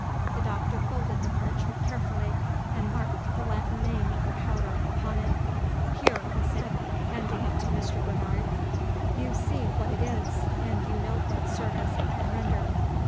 The Doctor folded the parchment carefully, and marked the Latin name of the powder upon it. "Here," he said, handing it to Mr. Bernard, "you see what it is, and you know what service it can render.